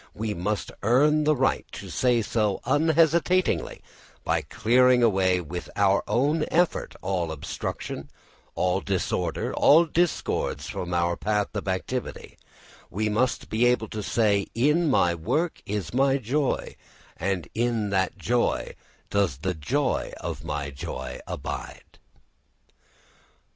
We must earn the right to say so unhesitatingly by clearing away with our own effort all obstruction, all disorder, all discords from our path of activity; we must be able to say, "In my work is my joy, and in that joy does the joy of my joy abide."